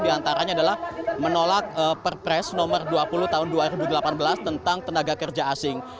di antaranya adalah menolak perpres nomor dua puluh tahun dua ribu delapan belas tentang tenaga kerja asing